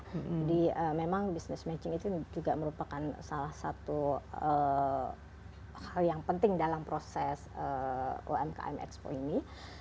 jadi memang business matching itu juga merupakan salah satu hal yang penting dalam proses umkm expo ini